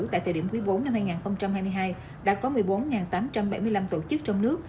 tại thời điểm quý bốn năm hai nghìn hai mươi hai đã có một mươi bốn tám trăm bảy mươi năm tổ chức trong nước